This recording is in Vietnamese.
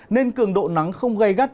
nên cường độ nắng không gai gắt